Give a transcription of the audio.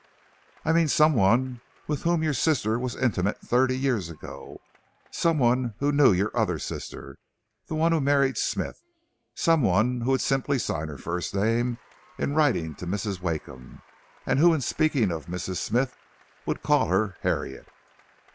"I mean some one with whom your sister was intimate thirty years ago. Some one who knew your other sister, the one who married Smith; some one who would simply sign her first name in writing to Mrs. Wakeham, and who in speaking of Mrs. Smith would call her Harriet."